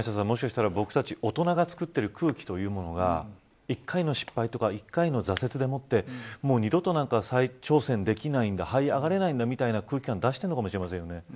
もしかすると僕たち大人が作っている空気が１回の失敗や１回の挫折でもう二度と再挑戦できないんだはい上がれないみたいな空気を出しているのかもしれませんね。